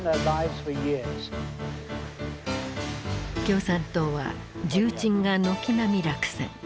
共産党は重鎮が軒並み落選。